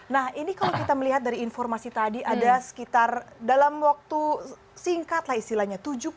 nah ini kalau kita melihat dari informasi tadi ada sekitar dalam waktu singkat lah istilahnya